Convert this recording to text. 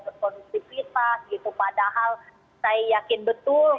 berkondisifitas padahal saya yakin betul